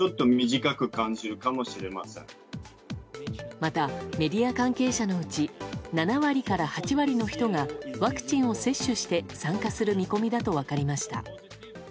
また、メディア関係者のうち７割から８割の人がワクチンを接種して参加する見込みだと分かりました。